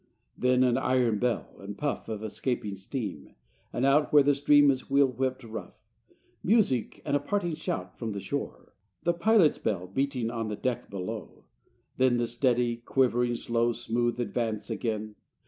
Then an iron bell, and puff Of escaping steam; and out Where the stream is wheel whipped rough; Music, and a parting shout From the shore; the pilot's bell Beating on the deck below; Then the steady, quivering, slow, Smooth advance again.